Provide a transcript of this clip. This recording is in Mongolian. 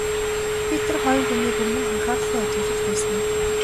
Би тэр хоёр хүнийг өмнө нь анхааралтай ажиглаж байсан уу?